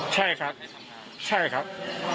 ใช่ครับใช่ครับ